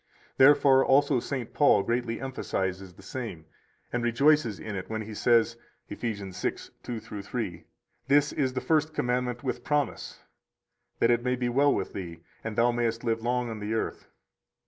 133 Therefore also St. Paul greatly emphasizes the same and rejoices in it when he says, Eph. 6:2 3: This is the first commandment with promise: That it may be well with thee, and thou mayest live long on the earth.